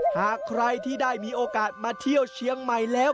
หากใครที่ได้มีโอกาสมาเที่ยวเชียงใหม่แล้ว